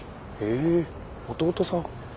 え弟さん。